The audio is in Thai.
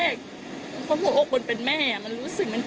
เพราะผมโอกคลเป็นแม่รู้สึกมันเจ็บใช่ไหมล่ะคะ